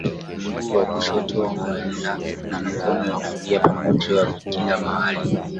mguu wa kushoto huenda na mkono wa kulia pamoja kila mahali